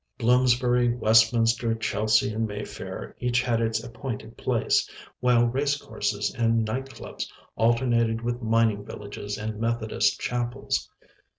Bloomsbury, Westminster, Chelsea and Mayfair each had its appointed place, while race courses and night clubs alternated with mining villages and methodist chapels.